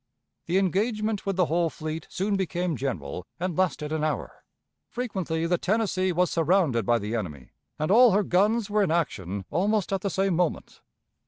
The engagement with the whole fleet soon became general, and lasted an hour. Frequently the Tennessee was surrounded by the enemy, and all her guns were in action almost at the same moment.